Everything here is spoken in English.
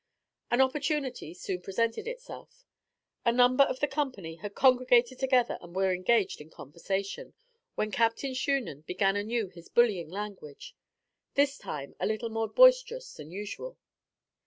An opportunity soon presented itself. A number of the company had congregated together and were engaged in conversation, when Captain Shunan began anew his bullying language; this time a little more boisterous than usual.